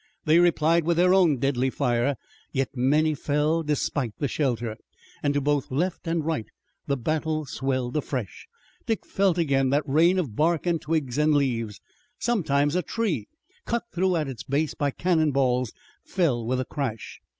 They replied with their own deadly fire, yet many fell, despite the shelter, and to both left and right the battle swelled afresh. Dick felt again that rain of bark and twigs and leaves. Sometimes a tree, cut through at its base by cannon balls, fell with a crash.